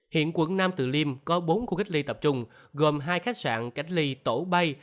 hiện quận nam từ liêm có bốn khu cách ly tập trung gồm hai khách sạn cách ly tổ bay